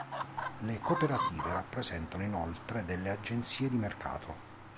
Le cooperative rappresentano inoltre delle agenzie di mercato.